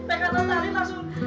pekatan tari langsung